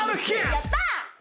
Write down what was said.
やった！